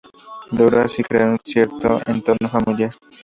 Logró así crear un cierto entorno familiar.